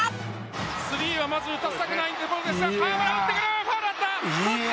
スリーはまず打たせたくないところですが河村打ってくる！